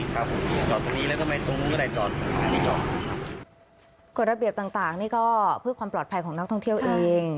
ระเบียบต่างต่างนี่ก็เพื่อความปลอดภัยของนักท่องเที่ยวเอง